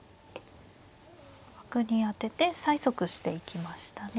角に当てて催促していきましたね。